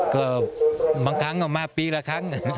ก็บางทั้ง